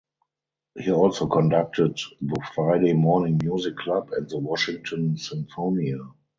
He also conducted the Friday Morning Music Club and the Washington Sinfonia.